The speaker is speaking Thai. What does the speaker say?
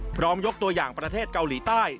ยกตัวอย่างประเทศเกาหลีใต้